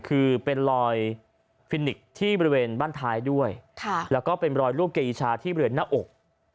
คือเป็นรอยฟินิกที่บริเวณบ้านท้ายด้วยแล้วก็เป็นรอยลูกเกยอีชาที่บริเวณหน้าอก